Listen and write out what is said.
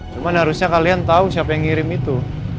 cuman harusnya kalian tau siapa yang ngirim itu